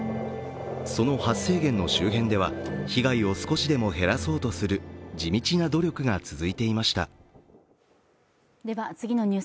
その発生源の周辺では被害を少しでも減らそうとする地道な努力が続いていました。